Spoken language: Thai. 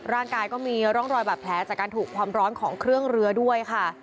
ร่างกายก็มีร่องรอยบาดแผลจากการถูกความร้อนของเครื่องเรือด้วยค่ะ